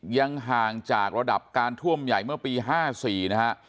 ยังห่างจากระดับการท่วมใหญ่เมื่อปี๕๔นะฮะ